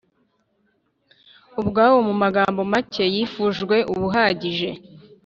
ubwawo mu magambo make yifujwe uba uhagije